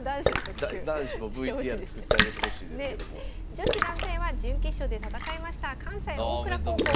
女子団体は準決勝で戦いました関西大倉高校の連覇となりました。